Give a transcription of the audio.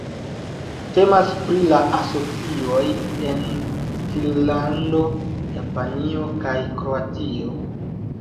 Temas pri la asocioj en Finnlando, Japanio kaj Kroatio.